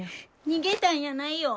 逃げたんやないよ！